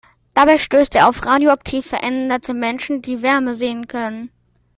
Dabei stößt er auf radioaktiv veränderte Menschen, die Wärme sehen können.